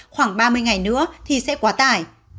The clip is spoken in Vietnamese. khoảng ba mươi ngày nữa thì sẽ quá tải